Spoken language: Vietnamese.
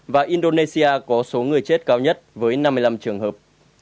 và indonesia có số người chết cao nhất với năm mươi năm trường hợp